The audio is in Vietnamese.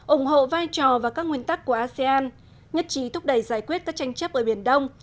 ủng hộ vai trò và các nguyên tắc của asean nhất trí thúc đẩy giải quyết các tranh chấp ở biển đông